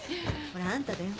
ほら。あんただよ。